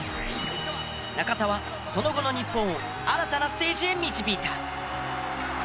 中田はその後の日本を新たなステージへ導いた。